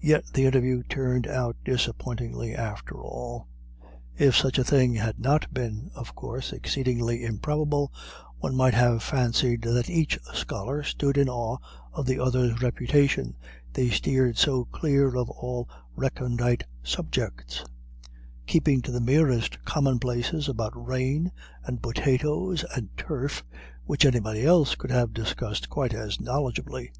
Yet the interview turned out disappointingly after all. If such a thing had not been, of course, exceedingly improbable, one might have fancied that each scholar stood in awe of the other's reputation, they steered so clear of all recondite subjects; keeping to the merest commonplaces about rain and potatoes and turf which anybody else could have discussed quite as knowledgably.